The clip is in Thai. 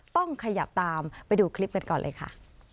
ต้องขยับตามไปดูคลิปกันก่อนเลยค่ะ